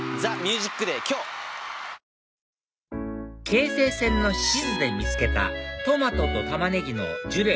京成線の志津で見つけた「トマトとたまねぎのジュレ